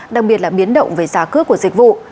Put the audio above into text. đặc biệt là biến động về giá cước của dịch vụ